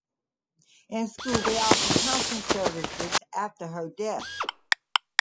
In school they offered counseling services after her death.